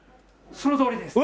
そのとおりです。